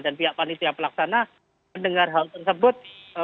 dan pihak panitia pelaksana mendengar hal tersebut